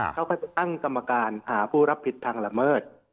เขาก็จะตั้งกรรมการหาผู้รับผิดทางละเมิด